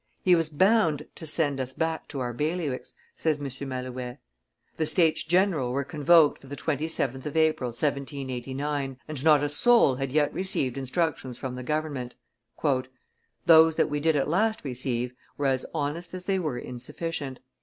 he was bound to send us back to our bailiwicks," says M. Malouet. The States general were convoked for the 27th of April, 1789, and not a soul had yet received instructions from the government. "Those that we did at last receive were as honest as they were insufficient.